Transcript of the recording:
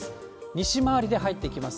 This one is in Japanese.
西回りで入ってきます。